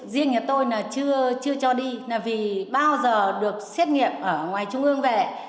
riêng tôi là chưa cho đi vì bao giờ được xét nghiệm ở ngoài trung ương về